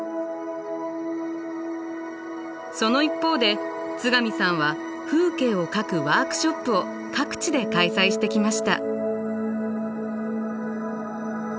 その一方で津上さんは風景を描くワークショップを各地で開催してきました。